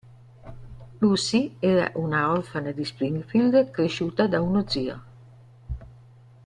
Lucy era una orfana di Springfield cresciuta da uno zio.